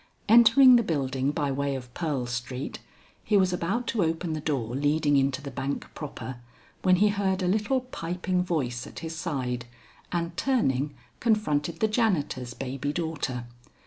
Entering the building by way of Pearl Street, he was about to open the door leading into the bank proper, when he heard a little piping voice at his side, and turning, confronted the janitor's baby daughter.